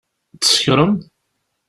Tsekṛem?